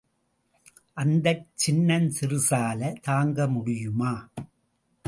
அந்தச் சின்னஞ் சிறிசால தாங்க முடியுமா...?